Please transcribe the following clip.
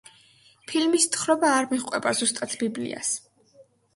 ფილმის თხრობა არ მიჰყვება ზუსტად ბიბლიას.